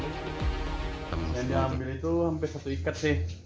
yang diambil itu hampir satu ikat sih